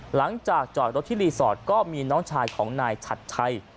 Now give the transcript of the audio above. หลังจากจอดรถที่รีสอร์ทก็มีน้องชายของนายฉัดชัย